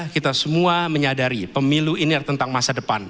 kita semua menyadari pemilu ini adalah tentang masa depan